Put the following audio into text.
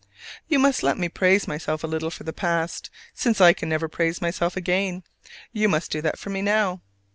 You must let me praise myself a little for the past, since I can never praise myself again. You must do that for me now!